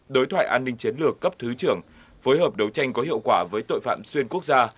đối thoại an ninh chiến lược cấp thứ trưởng phối hợp đấu tranh có hiệu quả với tội phạm xuyên quốc gia